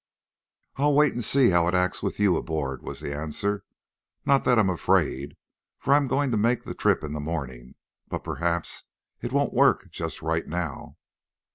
"I'll wait, and see how it acts with you aboard," was the answer. "Not that I'm afraid, for I'm going to make the trip in the morning, but perhaps it won't work just right now."